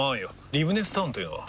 リブネスタウンというのは？